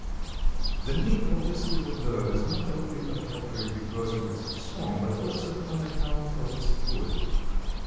The name of this little bird is not only appropriate because of its song but also on account of its food.